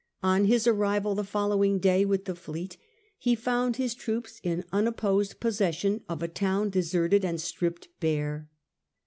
On his arrival the following day with the fleet, he found his troops in unopposed posses sion of a town deserted and stripped bare.